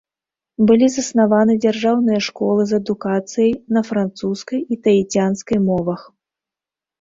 Былі заснаваны дзяржаўныя школы з адукацыяй на французскай і таіцянскай мовах.